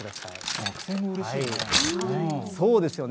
学生もうれしいですよね。